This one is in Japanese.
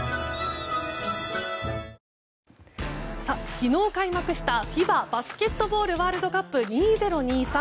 昨日開幕したＦＩＢＡバスケットボールワールドカップ２０２３。